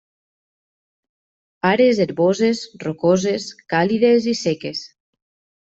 Àrees herboses, rocoses, càlides i seques.